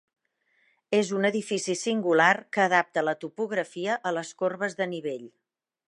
És un edifici singular, que adapta la topografia a les corbes de nivell.